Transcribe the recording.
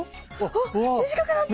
あっ短くなってる！